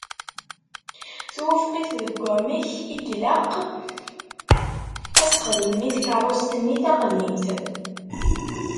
Twufeq-it deg amek ilaq ad s-xedmen i tkeṛṛust-nni taqdimt.